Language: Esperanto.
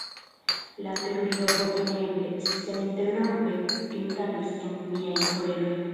La teruriga vorto "neeble!" seninterrompe tintadis en miajn orelojn.